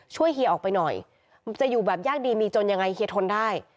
เฮียออกไปหน่อยมันจะอยู่แบบยากดีมีจนยังไงเฮียทนได้